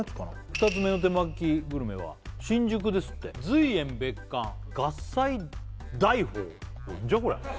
２つ目の手巻きグルメは新宿ですって隨園別館合菜戴帽なんじゃこりゃ？